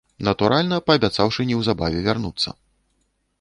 Натуральна, паабяцаўшы неўзабаве вярнуцца.